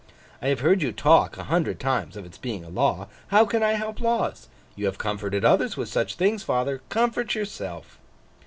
I have heard you talk, a hundred times, of its being a law. How can I help laws? You have comforted others with such things, father. Comfort yourself!